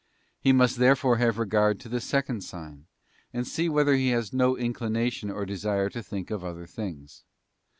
He must "rox ee come pean. 108 a — have regard to the second sign, and see whether he has no inclination or desire to think of other things.